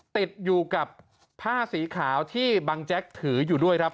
ติดอยู่กับผ้าสีขาวที่บังแจ๊กถืออยู่ด้วยครับ